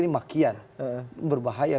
ini makian berbahaya